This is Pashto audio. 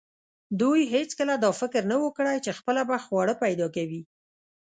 دوی هیڅکله دا فکر نه و کړی چې خپله به خواړه پیدا کوي.